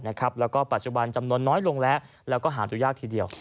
และปัจจุบันน้อยลงและหาอยู่ยากทีเดียว